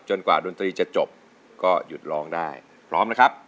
กว่าดนตรีจะจบก็หยุดร้องได้พร้อมนะครับ